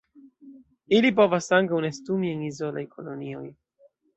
Ili povas ankaŭ nestumi en izolaj kolonioj.